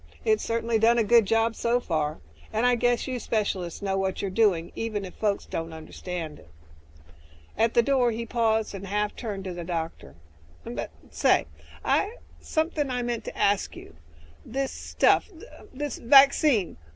It's certainly done a good job so far, and I guess you specialists know what you're doing, even if folks don't understand it." At the door he paused and half turned to the doctor, "But say ... something I meant to ask you. This 'stuff' ... er, this vaccine ...